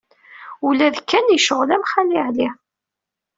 Ula d Ken yecɣel am Xali Ɛli.